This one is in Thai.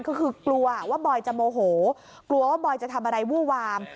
ก็คือกลัวว่าบอยจะโมโหกลัวว่าบอยจะทำอะไรวู้วาม